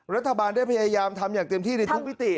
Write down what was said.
รัฐบาลได้พยายามทำอย่างเต็มที่ในทุกมิติ